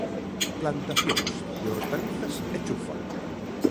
Plantacións de hortalizas e chufa.